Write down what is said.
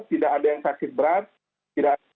tidak ada yang kasih berat tadi